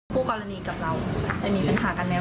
คู่กรณีกับเราแต่มีปัญหากันแล้ว